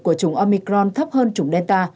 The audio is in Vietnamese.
của chủng omicron thấp hơn chủng delta